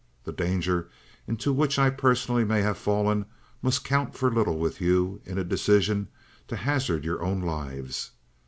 The danger into which I personally may have fallen must count for little with you, in a decision to hazard your own lives.